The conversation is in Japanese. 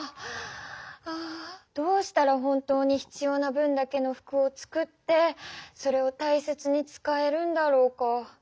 ああどうしたら本当にひつような分だけの服を作ってそれを大切に使えるんだろうか？